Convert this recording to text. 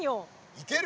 いける？